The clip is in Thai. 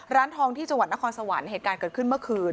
ร้านทองที่จังหวัดนครสวรรค์เหตุการณ์เกิดขึ้นเมื่อคืน